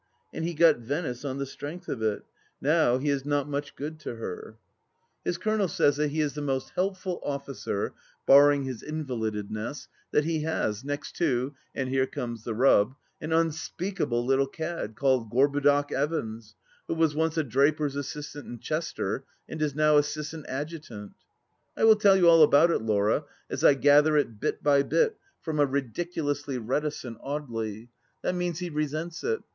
And he got Venice, on the strength of it. Now he is not much good to her. 804 THE LAST DITCH His Colonel says that he is the most helpful officer — barring his invalidedness — ^thathe has, next to — and here comes the rub — an unspeakable little cad called (Jorbudoc Evans, who was once a draper's assistant in Chester and is now assistant adjutant, I will tell you all about it, Laura, as I gather it bit by bit from a ridiculously reticent Audely. That means he resents it.